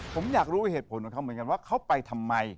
ผมอยากรู้เหตุผลของเขาเหมือนกันว่าเขาไปทำไม